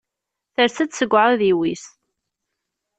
Ters-d seg uɛudiw-is.